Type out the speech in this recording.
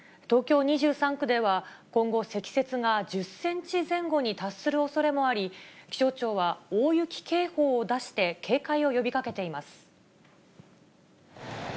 東京２３区では、今後、積雪が１０センチ前後に達するおそれもあり、気象庁は大雪警報を出して、警戒を呼びかけています。